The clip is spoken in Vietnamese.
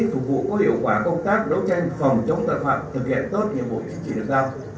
phục vụ có hiệu quả công tác đấu tranh phòng chống tạp phạm thực hiện tốt nhiệm vụ chính trị lực tạo